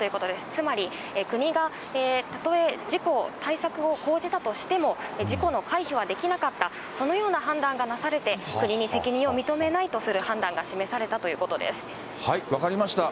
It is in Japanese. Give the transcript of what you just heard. つまり国がたとえ、事故を、対策を講じたとしても、事故の回避はできなかった、そのような判断がなされて、国に責任を認めないとする判断が示されたというこ分かりました。